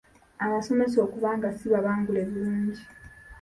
Abasomesa okuba nga si babangule bulungi.